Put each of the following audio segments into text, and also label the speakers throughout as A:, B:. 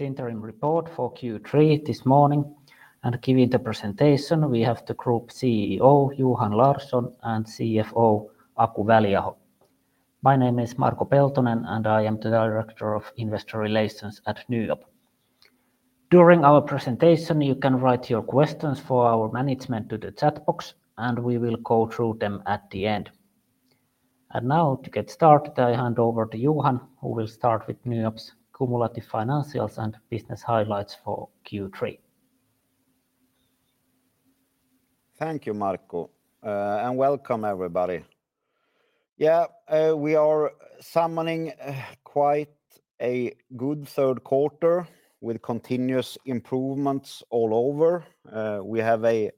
A: Interim report for Q3 this morning, and giving the presentation, we have the Group CEO, Johan Larsson, and CFO, Aku Väliaho. My name is Marko Peltonen, and I am the Director of Investor Relations at NYAB. During our presentation, you can write your questions for our management to the chat box, and we will go through them at the end. And now, to get started, I hand over to Johan, who will start with NYAB's cumulative financials and business highlights for Q3.
B: Thank you, Marko, and welcome everybody. Yeah, we are summing up quite a good third quarter with continuous improvements all over. We have a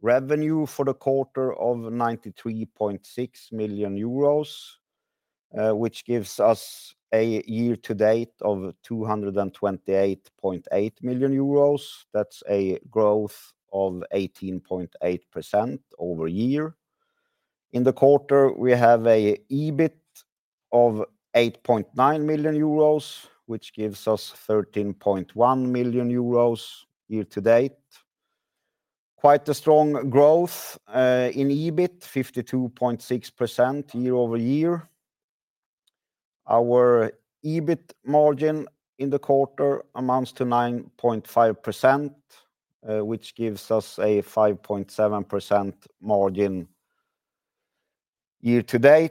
B: revenue for the quarter of 93.6 million euros, which gives us a year-to-date of 228.8 million euros. That's a growth of 18.8% over year. In the quarter, we have an EBIT of 8.9 million euros, which gives us 13.1 million euros year-to-date. Quite a strong growth in EBIT, 52.6% year-over-year. Our EBIT margin in the quarter amounts to 9.5%, which gives us a 5.7% margin year-to-date.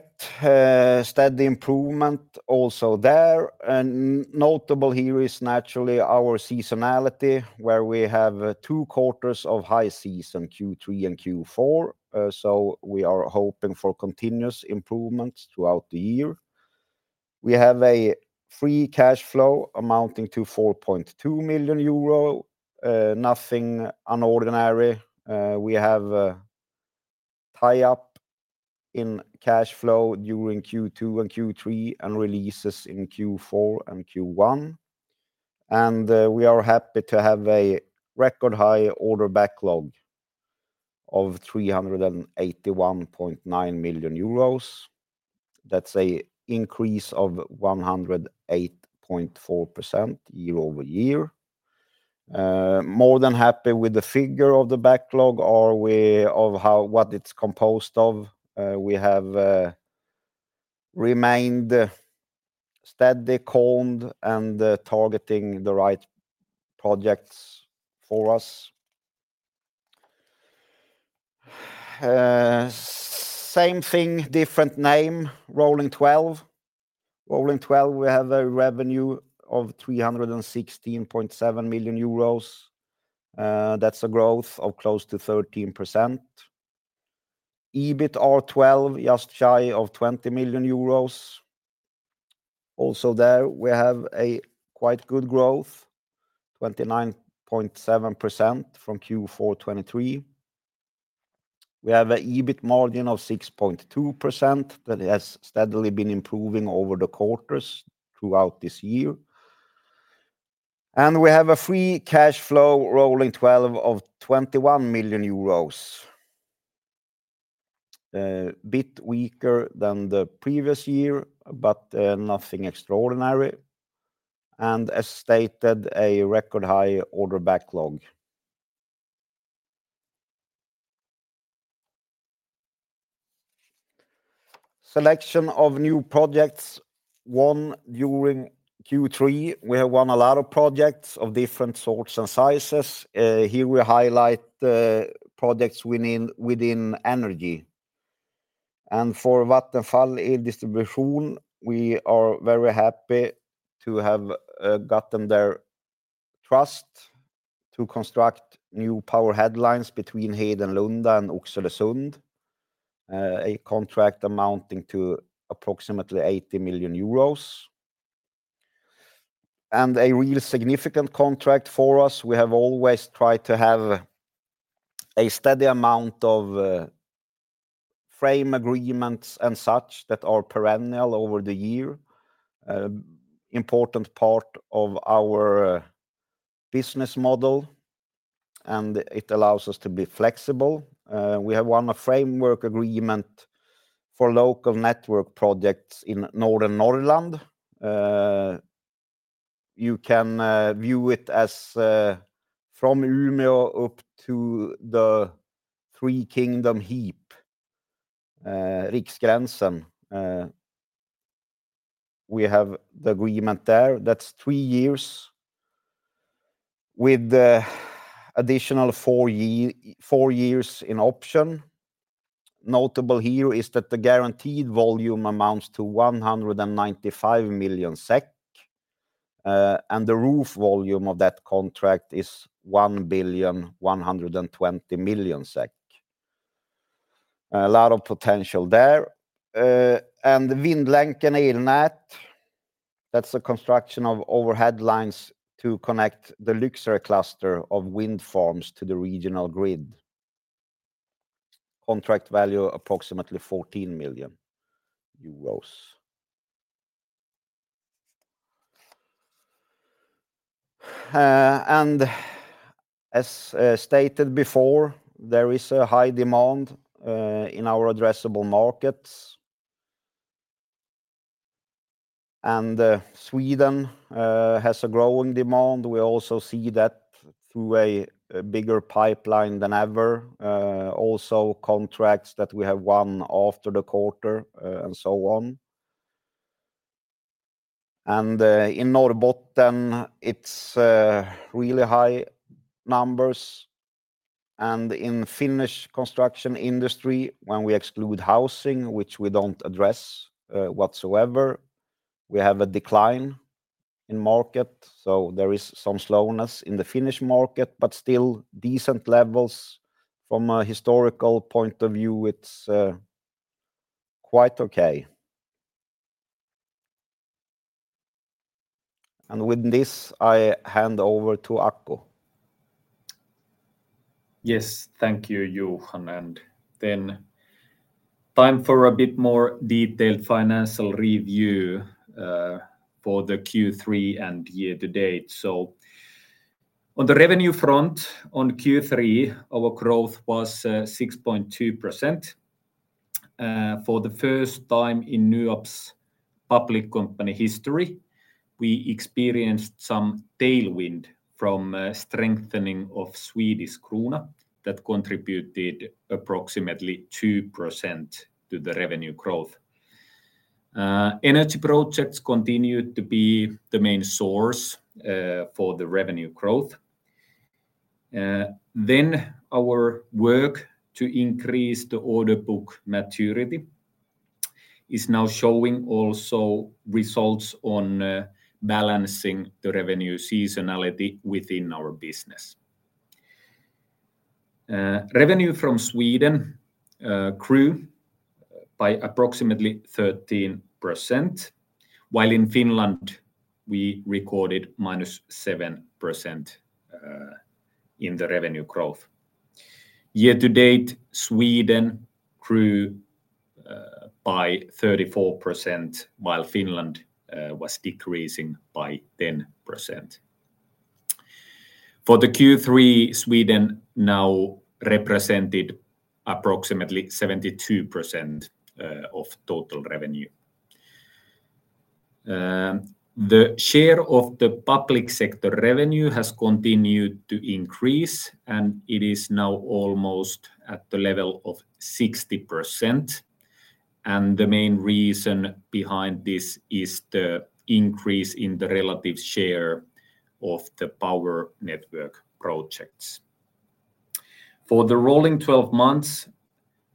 B: Steady improvement also there. Notable here is naturally our seasonality, where we have two quarters of high season Q3 and Q4, so we are hoping for continuous improvements throughout the year. We have a free cash flow amounting to 4.2 million euro, nothing unordinary. We have a tie-up in cash flow during Q2 and Q3 and releases in Q4 and Q1. We are happy to have a record high order backlog of 381.9 million euros. That's an increase of 108.4% year-over-year. More than happy with the figure of the backlog and aware of what it's composed of. We have remained steady, calm, and targeting the right projects for us. Same thing, different name, rolling 12. Rolling 12, we have a revenue of 316.7 million euros. That's a growth of close to 13%. EBIT R12, just shy of 20 million euros. Also there, we have a quite good growth, 29.7% from Q4 2023. We have an EBIT margin of 6.2% that has steadily been improving over the quarters throughout this year. We have a free cash flow rolling 12 of 21 million euros. A bit weaker than the previous year, but nothing extraordinary. And as stated, a record high order backlog. Selection of new projects won during Q3. We have won a lot of projects of different sorts and sizes. Here we highlight projects within energy. And for Vattenfall Eldistribution, we are very happy to have gotten their trust to construct new power lines between Hedenlunda and Oxelösund. A contract amounting to approximately 80 million euros. And a real significant contract for us. We have always tried to have a steady amount of framework agreements and such that are perennial over the year. Important part of our business model, and it allows us to be flexible. We have won a framework agreement for local network projects in Northern Norway. You can view it as from Umeå up to the Three Kingdom Heap, Riksgränsen. We have the agreement there. That's three years with additional four years in option. Notable here is that the guaranteed volume amounts to 195 million SEK. And the total volume of that contract is 1,120 million SEK. A lot of potential there, and Vindlänken Elnät, that's the construction of overhead lines to connect the Lycksele cluster of wind farms to the regional grid. Contract value approximately EUR 14 million. And as stated before, there is a high demand in our addressable markets. And Sweden has a growing demand. We also see that through a bigger pipeline than ever. Also contracts that we have won after the quarter and so on. And in Norrbotten, it's really high numbers. And in the Finnish construction industry, when we exclude housing, which we don't address whatsoever, we have a decline in market, so there is some slowness in the Finnish market, but still decent levels. From a historical point of view, it's quite okay. And with this, I hand over to Aku.
C: Yes, thank you, Johan. And then time for a bit more detailed financial review for the Q3 and year-to-date. So on the revenue front, on Q3, our growth was 6.2%. For the first time in NYAB's public company history, we experienced some tailwind from strengthening of Swedish krona that contributed approximately 2% to the revenue growth. Energy projects continued to be the main source for the revenue growth. Then our work to increase the order book maturity is now showing also results on balancing the revenue seasonality within our business. Revenue from Sweden grew by approximately 13%, while in Finland we recorded -7% in the revenue growth. Year-to-date, Sweden grew by 34%, while Finland was decreasing by 10%. For the Q3, Sweden now represented approximately 72% of total revenue. The share of the public sector revenue has continued to increase, and it is now almost at the level of 60%. And the main reason behind this is the increase in the relative share of the power network projects. For the rolling 12 months,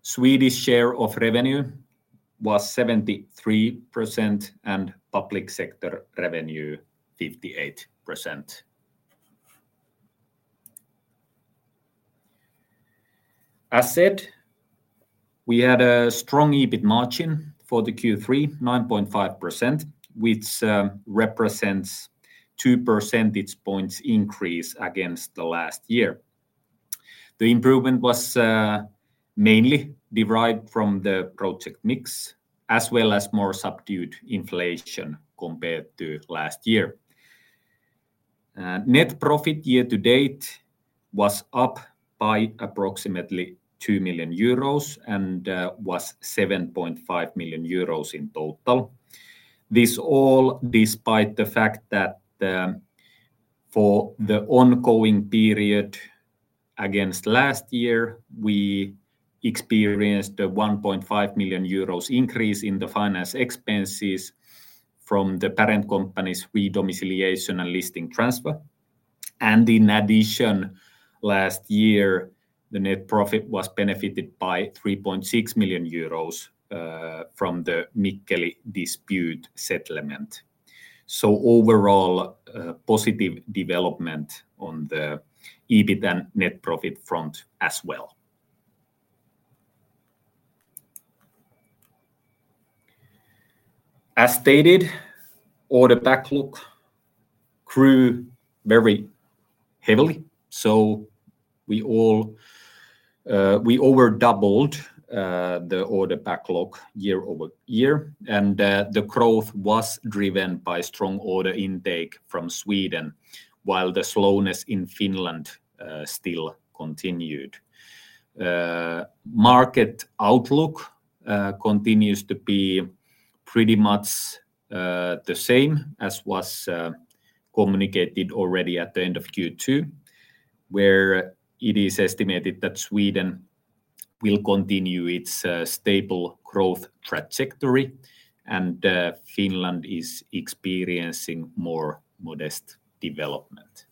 C: Swedish share of revenue was 73% and public sector revenue 58%. As said, we had a strong EBIT margin for the Q3, 9.5%, which represents a 2 percentage points increase against the last year. The improvement was mainly derived from the project mix, as well as more subdued inflation compared to last year. Net profit year-to-date was up by approximately 2 million euros and was 7.5 million euros in total. This all despite the fact that for the ongoing period against last year, we experienced a 1.5 million euros increase in the finance expenses from the parent company's re-domiciliation and listing transfer. In addition, last year, the net profit was benefited by 3.6 million euros from the Mikkeli dispute settlement. Overall, positive development on the EBIT and net profit front as well. As stated, order backlog grew very heavily. We overdoubled the order backlog year-over-year. The growth was driven by strong order intake from Sweden, while the slowness in Finland still continued. Market outlook continues to be pretty much the same, as was communicated already at the end of Q2, where it is estimated that Sweden will continue its stable growth trajectory, and Finland is experiencing more modest development.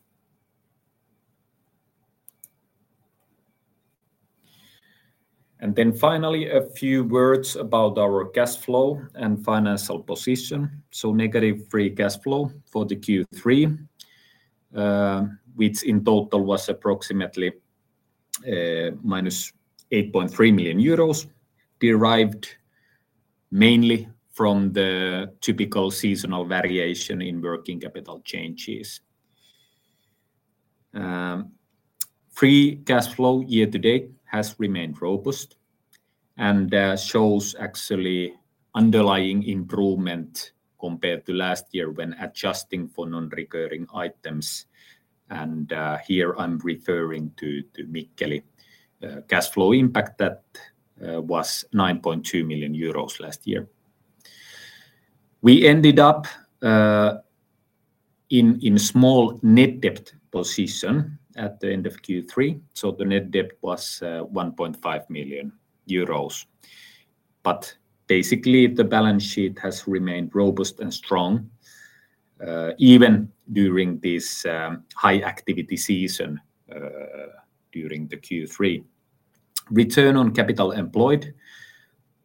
C: Finally, a few words about our cash flow and financial position. Negative free cash flow for the Q3, which in total was approximately -8.3 million euros, derived mainly from the typical seasonal variation in working capital changes. Free cash flow year-to-date has remained robust and shows actually underlying improvement compared to last year when adjusting for non-recurring items. Here I'm referring to Mikkeli cash flow impact that was 9.2 million euros last year. We ended up in a small net debt position at the end of Q3. The net debt was 1.5 million euros. Basically, the balance sheet has remained robust and strong even during this high activity season during the Q3. Return on capital employed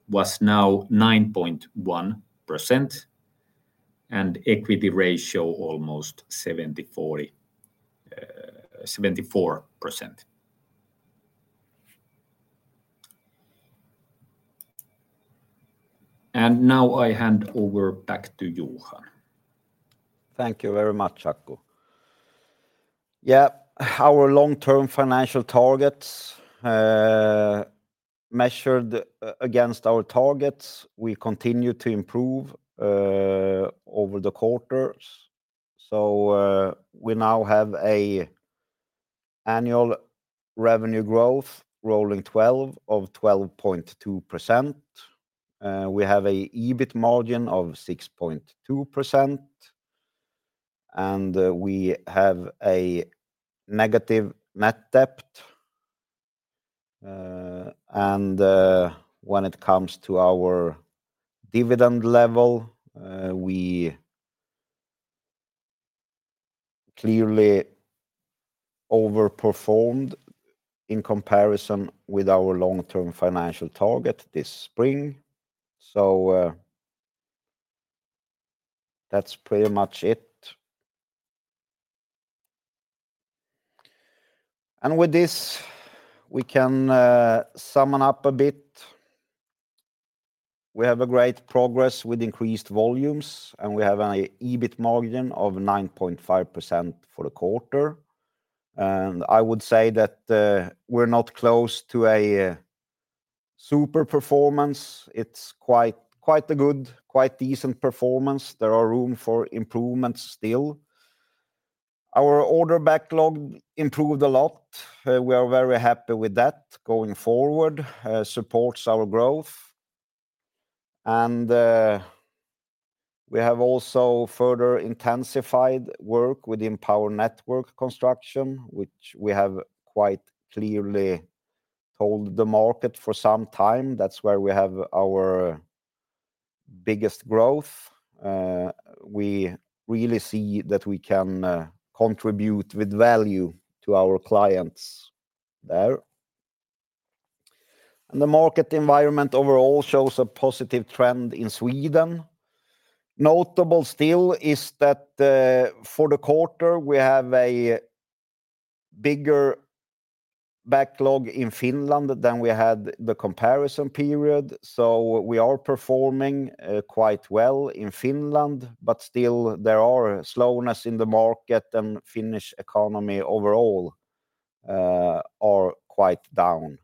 C: was now 9.1% and equity ratio almost 74%. Now I hand over back to Johan.
B: Thank you very much, Aku. Yeah, our long-term financial targets measured against our targets, we continue to improve over the quarters. We now have an annual revenue growth rolling 12 of 12.2%. We have an EBIT margin of 6.2%. We have a negative net debt. And when it comes to our dividend level, we clearly overperformed in comparison with our long-term financial target this spring. So that's pretty much it. And with this, we can sum up a bit. We have great progress with increased volumes, and we have an EBIT margin of 9.5% for the quarter. And I would say that we're not close to a super performance. It's quite a good, quite decent performance. There are room for improvements still. Our order backlog improved a lot. We are very happy with that going forward. Supports our growth. And we have also further intensified work within power network construction, which we have quite clearly told the market for some time. That's where we have our biggest growth. We really see that we can contribute with value to our clients there. And the market environment overall shows a positive trend in Sweden. Notable still is that for the quarter, we have a bigger backlog in Finland than we had the comparison period, so we are performing quite well in Finland, but still there are slowness in the market and Finnish economy overall are quite down,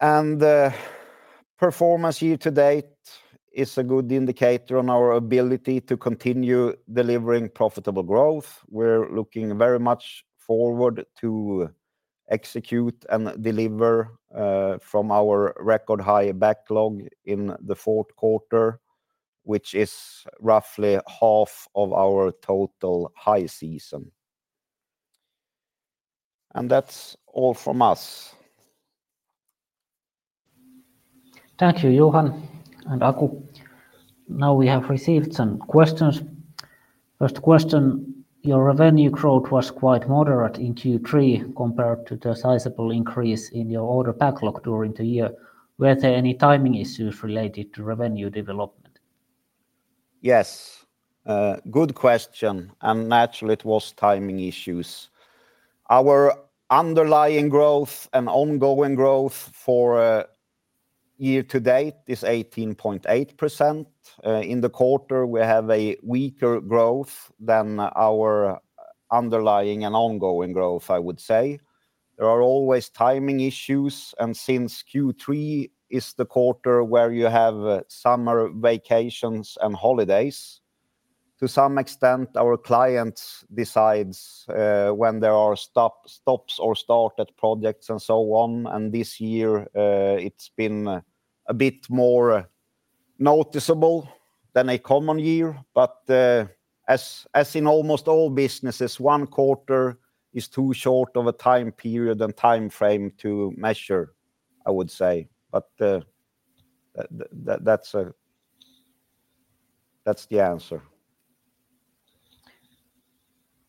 B: and performance year-to-date is a good indicator on our ability to continue delivering profitable growth. We're looking very much forward to execute and deliver from our record high backlog in the fourth quarter, which is roughly half of our total high season, and that's all from us.
A: Thank you, Johan and Aku. Now we have received some questions. First question, your revenue growth was quite moderate in Q3 compared to the sizable increase in your order backlog during the year. Were there any timing issues related to revenue development?
B: Yes, good question. And naturally, it was timing issues. Our underlying growth and ongoing growth for year-to-date is 18.8%. In the quarter, we have a weaker growth than our underlying and ongoing growth, I would say. There are always timing issues. And since Q3 is the quarter where you have summer vacations and holidays, to some extent, our client decides when there are stops or start at projects and so on. And this year, it's been a bit more noticeable than a common year. But as in almost all businesses, one quarter is too short of a time period and time frame to measure, I would say. But that's the answer.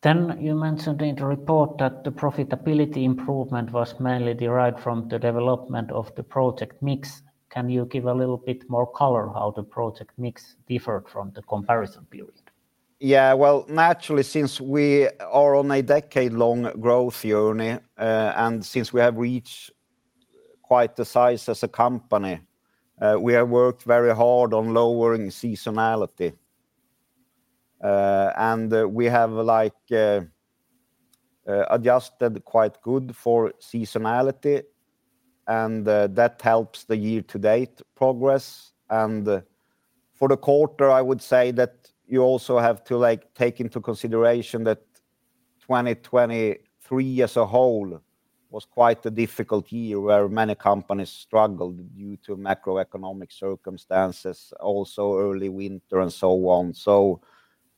A: Then you mentioned in the report that the profitability improvement was mainly derived from the development of the project mix. Can you give a little bit more color how the project mix differed from the comparison period?
B: Yeah, well, naturally, since we are on a decade-long growth journey and since we have reached quite the size as a company, we have worked very hard on lowering seasonality. And we have adjusted quite good for seasonality. And that helps the year-to-date progress. And for the quarter, I would say that you also have to take into consideration that 2023 as a whole was quite a difficult year where many companies struggled due to macroeconomic circumstances, also early winter and so on. So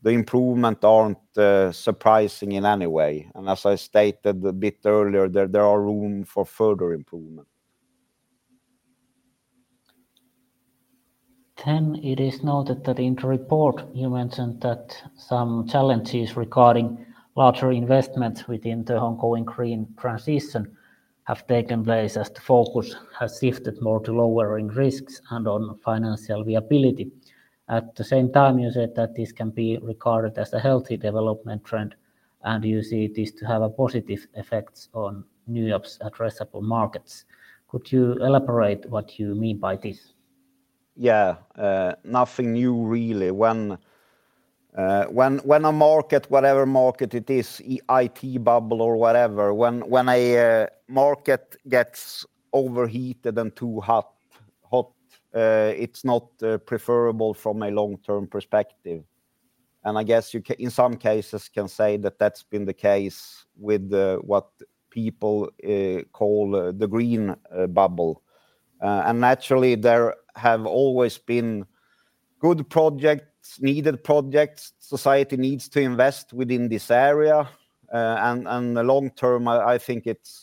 B: the improvements aren't surprising in any way. And as I stated a bit earlier, there are room for further improvement.
A: It is noted that in the report, you mentioned that some challenges regarding larger investments within the ongoing green transition have taken place as the focus has shifted more to lowering risks and on financial viability. At the same time, you said that this can be regarded as a healthy development trend, and you see this to have positive effects on NYAB's addressable markets. Could you elaborate what you mean by this?
B: Yeah, nothing new really. When a market, whatever market it is, IT bubble or whatever, when a market gets overheated and too hot, it's not preferable from a long-term perspective. And I guess you can, in some cases, say that that's been the case with what people call the green bubble. And naturally, there have always been good projects, needed projects. Society needs to invest within this area. And long term, I think it's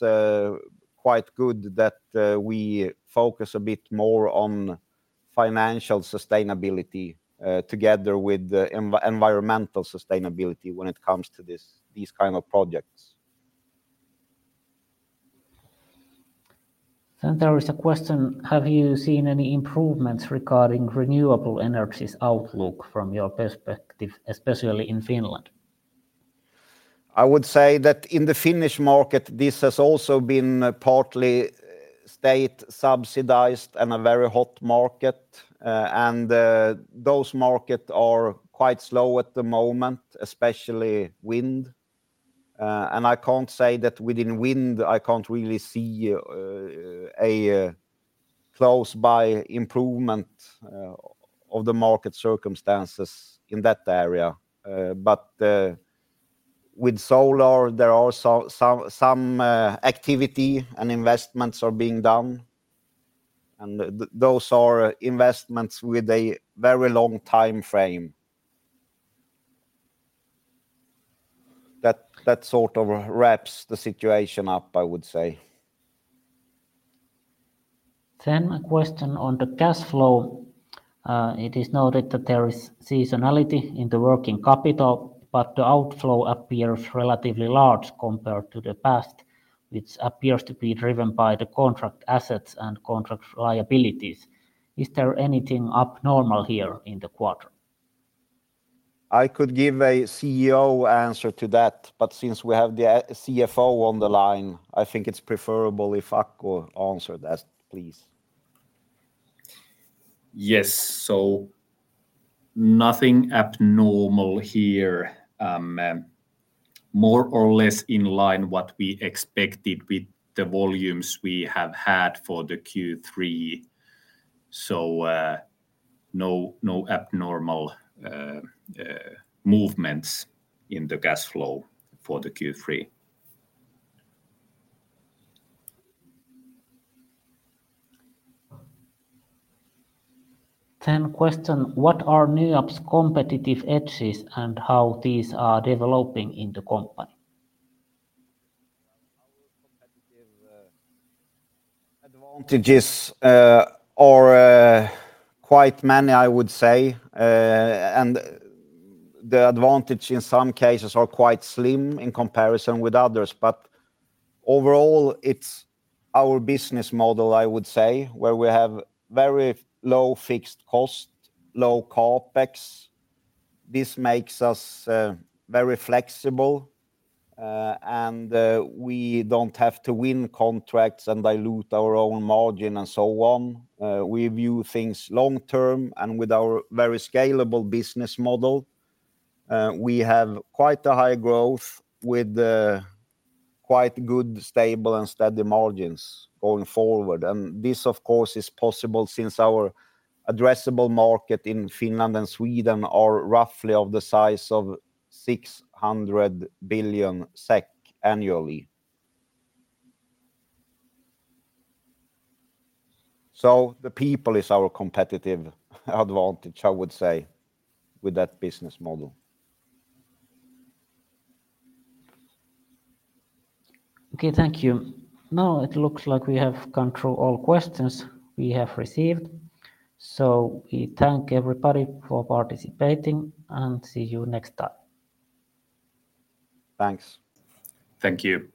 B: quite good that we focus a bit more on financial sustainability together with environmental sustainability when it comes to these kinds of projects.
A: Then there is a question. Have you seen any improvements regarding renewable energy's outlook from your perspective, especially in Finland?
B: I would say that in the Finnish market, this has also been partly state-subsidized and a very hot market. And those markets are quite slow at the moment, especially wind. And I can't say that within wind, I can't really see a close by improvement of the market circumstances in that area. But with solar, there are some activity and investments are being done. And those are investments with a very long time frame. That sort of wraps the situation up, I would say.
A: Then a question on the cash flow. It is noted that there is seasonality in the working capital, but the outflow appears relatively large compared to the past, which appears to be driven by the contract assets and contract liabilities. Is there anything abnormal here in the quarter?
B: I could give a CEO answer to that, but since we have the CFO on the line, I think it's preferable if Aku answered that, please.
C: Yes, so nothing abnormal here. More or less in line with what we expected with the volumes we have had for the Q3, so no abnormal movements in the cash flow for the Q3.
A: Then a question. What are NYAB's competitive edges and how these are developing in the company?
B: Our competitive advantages are quite many, I would say. And the advantages in some cases are quite slim in comparison with others. But overall, it's our business model, I would say, where we have very low fixed costs, low CapEx. This makes us very flexible. And we don't have to win contracts and dilute our own margin and so on. We view things long term. And with our very scalable business model, we have quite a high growth with quite good, stable, and steady margins going forward. And this, of course, is possible since our addressable market in Finland and Sweden are roughly of the size of 600 billion SEK annually. So the people is our competitive advantage, I would say, with that business model.
A: Okay, thank you. Now it looks like we have gone through all questions we have received. So we thank everybody for participating and see you next time.
B: Thanks.
C: Thank you.